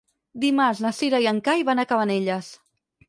Dimarts na Cira i en Cai van a Cabanelles.